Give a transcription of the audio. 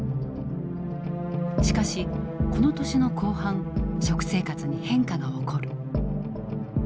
しかしこの年の後半食生活に変化が起こる。